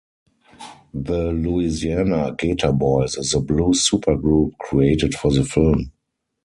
The Louisiana Gator Boys is a blues supergroup created for the film.